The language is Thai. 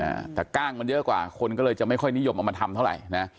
อ่าแต่กล้างมันเยอะกว่าคนก็เลยจะไม่ค่อยนิยมเอามาทำเท่าไหร่นะ